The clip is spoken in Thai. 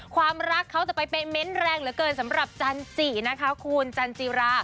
ความรักเขาจะไปเป๊ะเม้นต์แรงเหลือเกินสำหรับจันจินะคะคุณจันจิรา